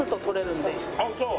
ああそう。